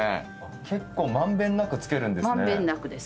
結構満遍なくつけるんですね。